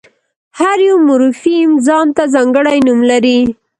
هر یو مورفیم ځان ته ځانګړی نوم لري.